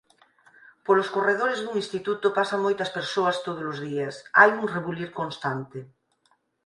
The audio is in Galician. Polos corredores dun instituto pasan moitas persoas todos os días, hai un rebulir constante.